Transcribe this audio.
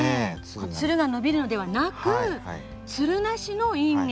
つるが伸びるのではなくつるなしのインゲン。